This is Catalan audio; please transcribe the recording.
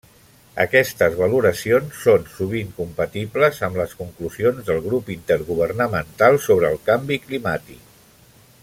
Aquestes valoracions són sovint compatible amb les conclusions del Grup Intergovernamental sobre el Canvi Climàtic.